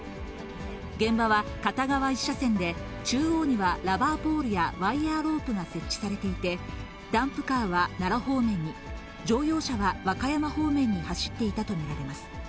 現場は片側１車線で、中央にはラバーポールやワイヤーロープが設置されていて、ダンプカーは奈良方面に、乗用車は和歌山方面に走っていたと見られます。